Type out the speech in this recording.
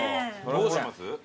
どうします？